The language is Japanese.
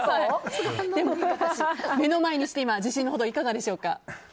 目の前にして自信のほどはいかがでしょうか？